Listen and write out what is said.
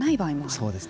そうですね。